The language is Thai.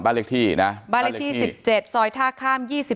บ้านเลขที่๑๗ซอยทางข้าม๒๘